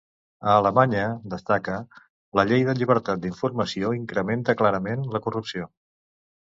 A Alemanya, destaca, la llei de llibertat d'informació incrementa clarament la corrupció.